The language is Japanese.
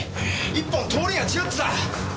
一本通りが違ってた。